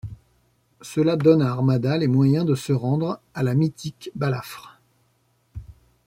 Cela donne à Armada les moyens de se rendre à la mythique Balafre.